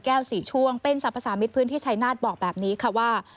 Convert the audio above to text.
สี่ช่วงเป็นสรรพสามิตรพื้นที่ชายนาฏบอกแบบนี้ค่ะว่า